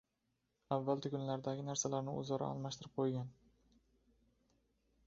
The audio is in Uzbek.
Avval tugunlardagi narsalarni o‘zaro almashtirib qo‘ygan